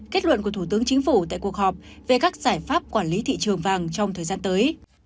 kết luận của thủ tướng chính phủ tại cuộc họp về các giải pháp quản lý thị trường vàng trong thời gian tới